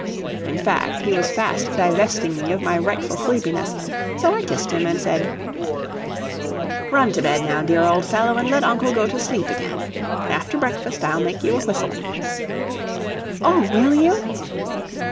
In fact, he was fast divesting me of my rightful sleepiness, so I kissed him and said: "Run to bed, now, dear old fellow, and let uncle go to sleep again. After breakfast, I'll make you a whistle." "Oh, will you?"